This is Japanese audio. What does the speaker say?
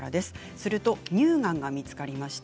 すると乳がんが見つかりました。